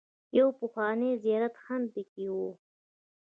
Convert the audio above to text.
يو پخوانی زيارت هم پکې و.